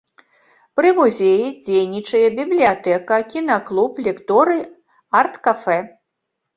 Пры музеі дзейнічае бібліятэка, кінаклуб, лекторый, арт-кафэ.